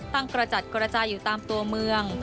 กระจัดกระจายอยู่ตามตัวเมือง